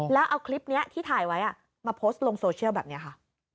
แล้วเอาคลิปนี้ที่ถ่ายไว้มาโพสต์ลงโซเชียลแบบนี้ค่ะ